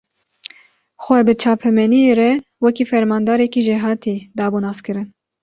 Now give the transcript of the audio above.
Xwe, bi çapemeniyê re wekî fermandarekî jêhatî, dabû naskirin